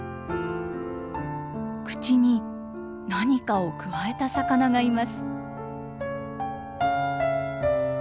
口に何かをくわえた魚がいます。